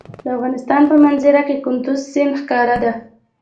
د افغانستان په منظره کې کندز سیند ښکاره ده.